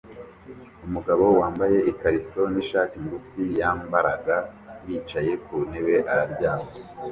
Umugabo wambaye ikariso nishati ngufi yambaraga yicaye ku ntebe araryama